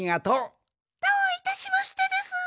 どういたしましてでスー。